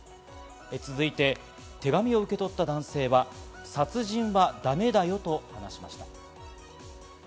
続いて、手紙を受け取った男性は殺人はだめだよと話しました。